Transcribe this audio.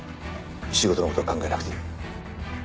仕事の事は考えなくていい。